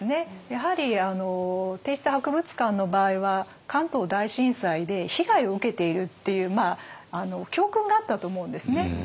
やはり帝室博物館の場合は関東大震災で被害を受けているっていう教訓があったと思うんですね。